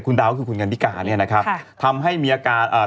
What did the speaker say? คุณดาวคือคุณกัณฑิกา